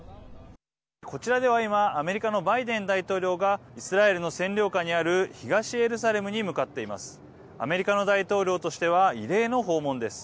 こちらでは今アメリカのバイデン大統領がイスラエルの占領下にある東エルサレムに向かっています。